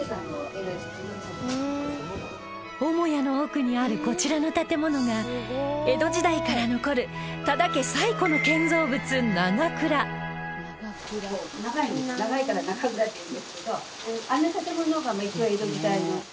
主屋の奥にあるこちらの建物が江戸時代から残る多田家最古の建造物長蔵っていうんですけどあの建物が江戸時代の。